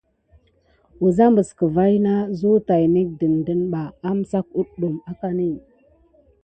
Wəza məs kəvayiŋ na zəw tay nék dəɗəne ɓa, amsak aɗum akani.